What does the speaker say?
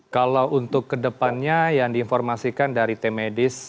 kalau untuk kedepannya yang diinformasikan dari tim medis